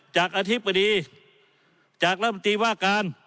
จากอธิบดีจากรับบัตรีว่าการ